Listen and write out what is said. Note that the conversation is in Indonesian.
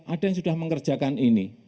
ada yang sudah mengerjakan ini